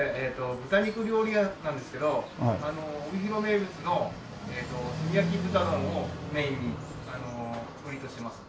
豚肉料理屋なんですけど帯広名物の炭焼き豚丼をメインに売りとしてます。